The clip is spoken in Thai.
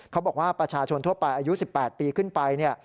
เขาบอกว่าประชาชนทั่วไปอายุ๑๘ปีขึ้นไปเนี่ย